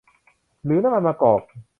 หรือน้ำมันมะกอก